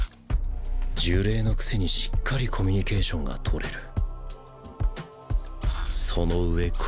呪霊のくせにしっかりコミュニケーションが取れる。